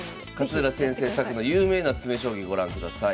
勝浦先生作の有名な詰将棋ご覧ください。